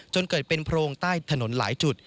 จนเกิดเป็นโพรงใต้ถนนหลายจุด